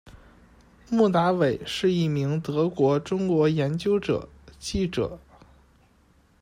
穆达伟是一名德国中国研究者、记者。